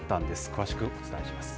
詳しくお伝えします。